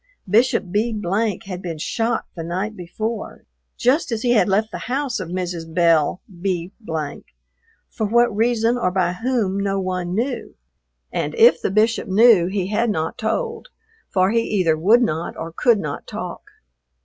Bishop B had been shot the night before, just as he had left the house of Mrs. Belle B , for what reason or by whom no one knew; and if the Bishop knew he had not told, for he either would not or could not talk.